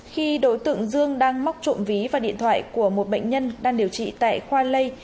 khi đối tượng dương đang móc trộm ví và điện thoại của một bệnh nhân đang điều trị tại khoa lây